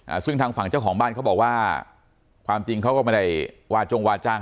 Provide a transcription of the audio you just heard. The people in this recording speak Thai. ซึ่งทางฝั่งเจ้าของบ้านเขาบอกว่าความจริงเขาก็ไม่ได้ว่าจงว่าจ้าง